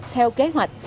theo kế hoạch